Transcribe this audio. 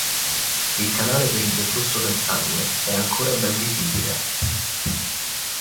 Il canale per il deflusso del sangue è ancora ben visibile.